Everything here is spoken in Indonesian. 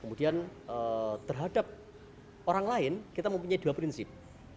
kemudian terhadap orang lain kita mempunyai dua prinsip